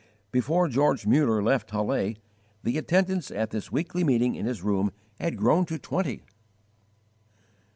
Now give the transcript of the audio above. Before George Muller left Halle the attendance at this weekly meeting in his room had grown to twenty.